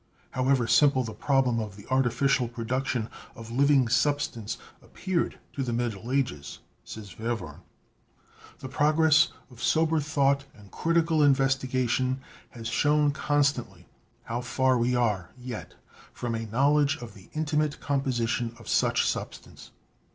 "However simple the problem of the artificial produc tion of living substance appeared to the middle ages," says Verworn, "the progress of sober thought and critical investigation has shown constantly how far we are yet from a knowledge of the intimate composition of such substance.